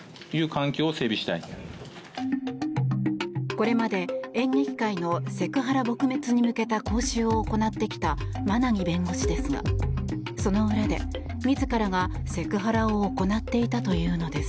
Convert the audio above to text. これまで演劇界のセクハラ撲滅に向けた講習を行ってきた馬奈木弁護士ですがその裏で自らがセクハラを行っていたというのです。